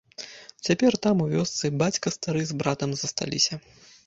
І цяпер там, у вёсцы, бацька стары з братам засталіся.